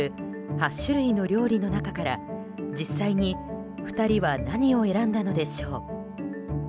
８種類の料理の中から実際に２人は何を選んだのでしょう。